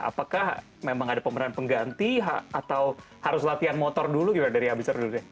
apakah memang ada pemeran pengganti atau harus latihan motor dulu gimana dari abis itu deh